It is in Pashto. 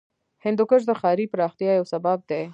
هندوکش د ښاري پراختیا یو سبب دی.